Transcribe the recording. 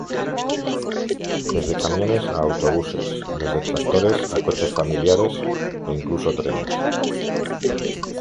Desde camiones a autobuses, desde tractores a coches familiares e incluso trenes.